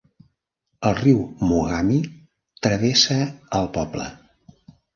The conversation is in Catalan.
El riu Mogami travessa el poble.